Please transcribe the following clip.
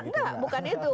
nggak bukan itu